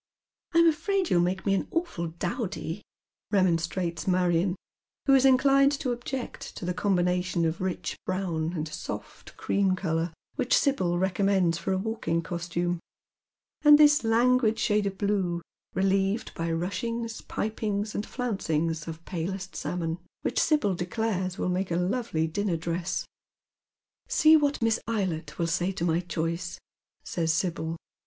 '• I'm afraid you'll make me an awful dowdy," remonstrates Marion, who is inclined to object to the combination of rich b^o^vn and soft cream colour, which Sibyl recommends for a walking costume, and tliis languid shade of blue, relieved by ruchings, pipings, and flouncings of palest salmon, which Sibyl declares will make a lovely dinner dress. " See what Miss Eylett will say to my choice," says Sibyl.